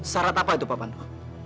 syarat apa itu pak pandu